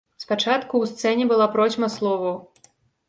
Спачатку ў сцэне была процьма словаў.